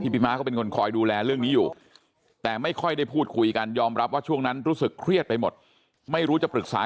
พี่ม้าก็เป็นคนคอยดูแลเรื่องนี้อยู่